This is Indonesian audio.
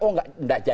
oh enggak enggak jadi